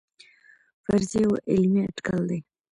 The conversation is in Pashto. فرضیه یو علمي اټکل دی